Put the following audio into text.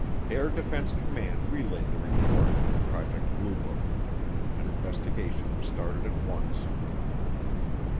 Air Defense Command relayed the report to Project Blue Book. An investigation was started at once.